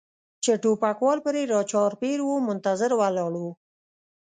چې ټوپکوال پرې را چاپېر و منتظر ولاړ و.